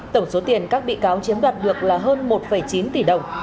tổng số tiền các bị cáo chiếm đoạt được là hơn một chín tỷ đồng